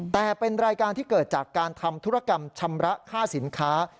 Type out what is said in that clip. แต่เป็นรายการที่เกิดจากการทำธุรกรรมชำระค่าสินค้า